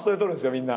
みんな。